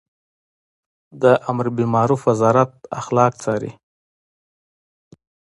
د امربالمعروف وزارت اخلاق څاري